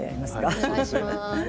お願いします。